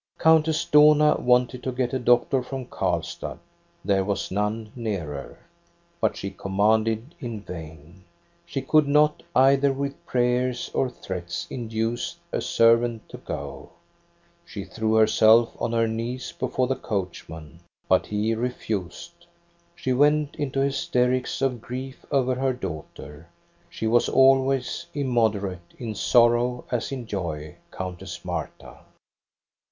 "Countess Dohna wanted to get a doctor from Karlstad; there was none nearer. But she com manded in vai». She could not, either with prayers 228 THE STORY OF GO ST A BE RUNG or threats, induce a servant to go. She threw her self on her knees before the coachman, but he re fused. She went into hysterics of grief over her daughter — she was always immoderate, in sorrow as in joy, Countess Marta.